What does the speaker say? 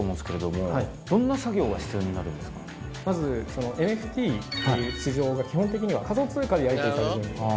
まずＮＦＴという市場が基本的には仮想通貨でやりとりされるんですね。